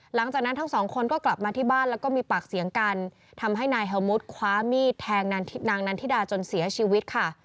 หลังจากนั้นทั้งสองคนก็กลับมาที่บ้านแล้วก็มีปากเสียงกันทำให้นายเฮลมุทคว้ามีดแทงนางนันทิดาจนเสียชีวิตค่ะ